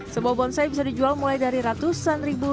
semua bonsai bisa dijual mulai dari ratusan ribu